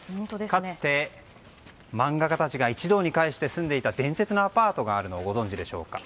かつて、漫画家たちが一堂に会していた伝説のアパートがあるのをご存知でしょうか。